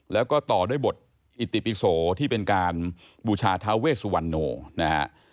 แล้วก็ต่อด้วยบทอิติปิโสที่เป็นการบูชาทาเวสุวรรณโนนะฮะ